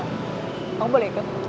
kamu boleh ikut